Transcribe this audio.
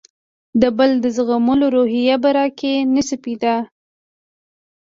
د بل د زغملو روحیه به راکې نه شي پیدا.